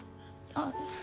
あっ。